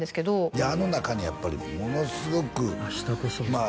いやあの中にやっぱりものすごくまあ